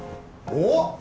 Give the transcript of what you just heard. おっ！